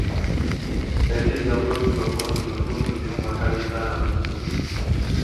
Dalili za ugonjwa wa mkojo mwekundu ni homa kali kwa mbuzi